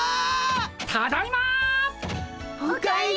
ただいま！お帰り！